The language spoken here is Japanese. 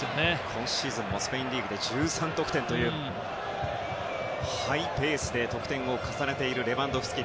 今シーズンもスペインリーグで１３得点というハイペースで得点を重ねているレバンドフスキ。